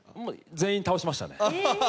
全員倒しましたね。